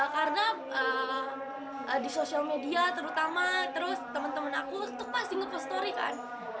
karena di sosial media terutama terus temen temen aku tuh pasti ngepost story kan